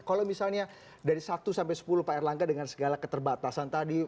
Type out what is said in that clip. kalau misalnya dari satu sampai sepuluh pak erlangga dengan segala keterbatasan tadi